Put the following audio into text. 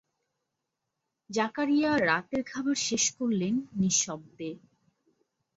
জাকারিয়া রাতের খাবার শেষ করলেন নিঃশব্দে।